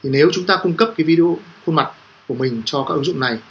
nếu chúng ta cung cấp video khuôn mặt của mình cho các ứng dụng này